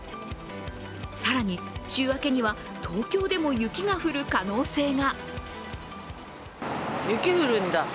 更に週明けには、東京でも雪が降る可能性が。